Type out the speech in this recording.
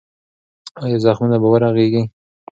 ایا زخمونه به ورغېږي؟